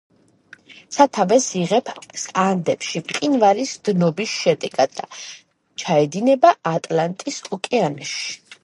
სათავეს იღებს ანდებში, მყინვარის დნობის შედეგად და ჩაედინება ატლანტის ოკეანეში.